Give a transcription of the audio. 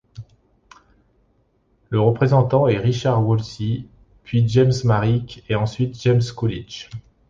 Le représentant est Richard Woolsey, puis James Marrick et ensuite James Coolidge.